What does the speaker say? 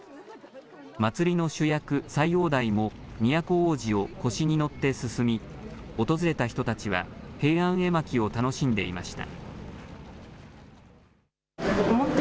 祭りの主役、斎王代も、都大路をこしに乗って進み、訪れた人たちは、平安絵巻を楽しんでいました。